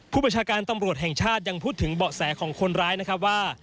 ประชาการตำรวจแห่งชาติยังพูดถึงเบาะแสของคนร้ายนะครับว่า